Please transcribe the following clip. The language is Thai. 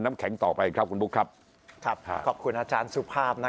น้ำแข็งต่อไปครับคุณบุ๊คครับครับขอบคุณอาจารย์สุภาพ